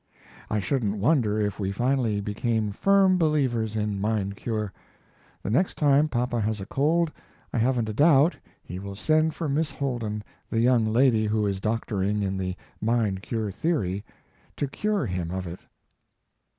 I shouldn't wonder if we finally became firm believers in "mind cure." The next time papa has a cold I haven't a doubt he will send for Miss Holden, the young lady who is doctoring in the "mind cure" theory, to cure him of it.